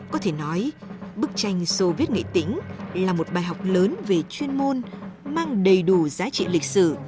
có thể nói bức tranh soviet nghệ tĩnh là một bài học lớn về chuyên môn mang đầy đủ giá trị lịch sử